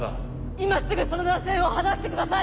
今すぐその男性を放してください！